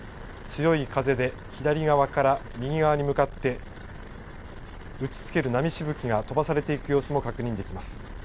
強い風で左側から右側に向かって、打ちつける波しぶきが飛ばされていく様子も確認できます。